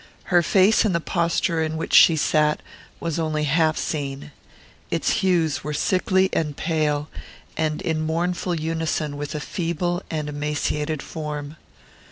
Her face, in the posture in which she sat, was only half seen. Its hues were sickly and pale, and in mournful unison with a feeble and emaciated form.